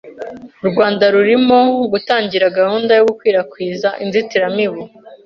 U Rwanda rurimo gutangira gahunda yo gukwirakwiza inzitiramubu